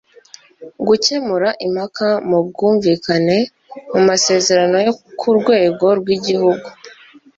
gukemura impaka mu bwumvikane mu masezerano yo ku rwego rw'igihugu